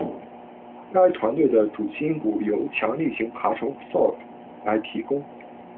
该团队的主心骨由强力型爬虫 “Sord” 来提供。